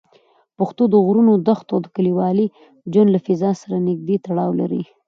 پښتو د غرونو، دښتو او کلیوالي ژوند له فضا سره نږدې تړاو لري.